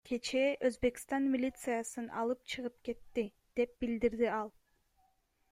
Кечээ, Өзбекстан милициясын алып чыгып кетти, — деп билдирди ал.